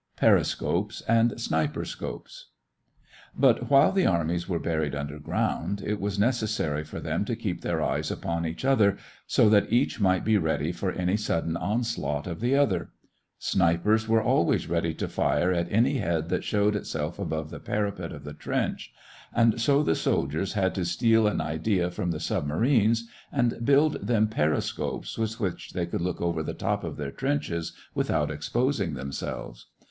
PERISCOPES AND "SNIPERSCOPES" But while the armies were buried underground, it was necessary for them to keep their eyes upon each other so that each might be ready for any sudden onslaught of the other. Snipers were always ready to fire at any head that showed itself above the parapet of the trench and so the soldiers had to steal an idea from the submarines and build them periscopes with which they could look over the top of their trenches without exposing themselves.